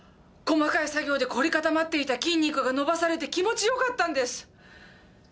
細かい作業で凝り固まっていた筋肉が伸ばされて気持ちよかったんです！